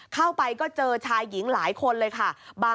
เข้าไปก็เจอชายหญิงหลายคนเลยค่ะ